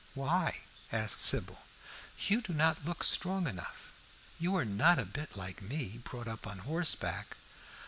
"Why?" asked Sybil. "You do not look strong enough. You are not a bit like me, brought up on horseback."